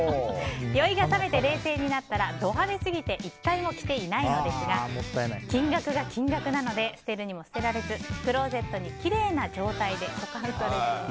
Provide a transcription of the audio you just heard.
酔いがさめて冷静になったらド派手すぎて１回も着ていないのですが金額が金額なので捨てるにも捨てられずクローゼットにきれいな状態で保管されています。